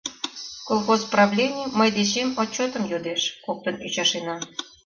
Колхоз правлений мый дечем отчетым йодеш, — коктын ӱчашена.